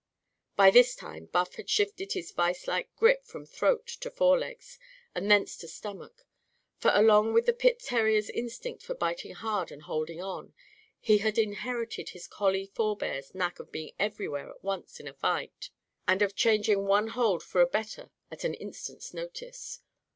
By this time, Buff had shifted his vise like grip from throat to forelegs, and thence to stomach. For, along with the pit terrier's instinct for biting hard and holding on, he had inherited his collie forbears' knack of being everywhere at once in a fight; and of changing one hold for a better at an instant's notice.